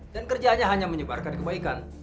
dan kerjaannya hanya menyebarkan kebaikan